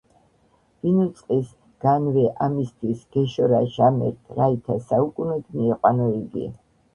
ვინ უწყის, გან-ვე ამისთვს- გეშორა ჟამერთ, რაითა საუკუნოდ მიიყვანო იგი,